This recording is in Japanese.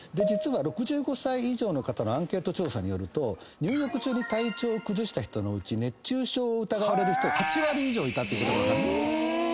実は６５歳以上の方のアンケート調査によると入浴中に体調を崩した人のうち熱中症を疑われる人８割以上いたことが分かったんですよ。